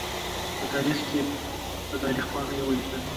په تاریخ پاڼو یې ولیکل.